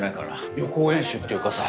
予行演習っていうかさ。